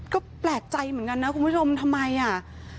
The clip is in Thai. ก็แปลกใจเหมือนกันนะคุณผู้ชมทำไมอ่ะ